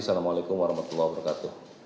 assalamu'alaikum warahmatullahi wabarakatuh